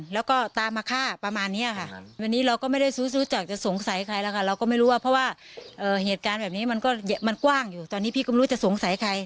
แล้วก็ไม่รู้ว่าเพราะว่าเหตุการณ์แบบนี้มันกว้างอยู่ตอนนี้พี่กำลัวจะสงสัยใคร